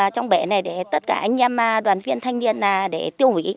trong bể này để tất cả anh em đoàn viên thanh niên để tiêu hủy